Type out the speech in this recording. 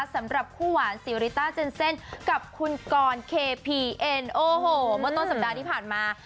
สำหรับคู่หวานซีริต้าเจนเซ่นกับคุณกรเคพีเอ็นโอ้โหเมื่อต้นสัปดาห์ที่ผ่านมา